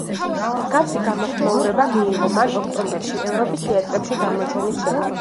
მსგავსი გამოხმაურება მიიღო მან ოქტომბერში ევროპის თეატრებში გამოჩენის შემდეგ.